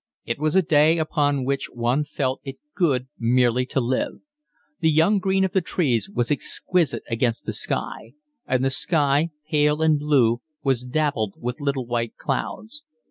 It was a day upon which one felt it good merely to live. The young green of the trees was exquisite against the sky; and the sky, pale and blue, was dappled with little white clouds.